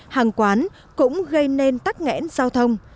hàng quán cũng gây nên tắc nghẽn giao thông